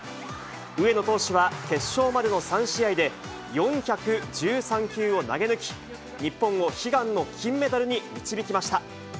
上野投手は決勝までの３試合で４１３球を投げ抜き、日本を悲願の金メダルに導きました。